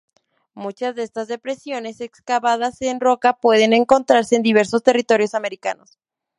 Muchas de estas depresiones excavadas en roca pueden encontrarse en diversos territorios americanos.